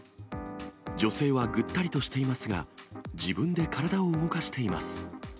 女性はぐったりとしていますが、自分で体を動かしています。